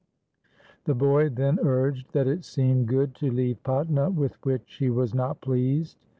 The boy then urged that it seemed good to leave Patna with which he was not pleased.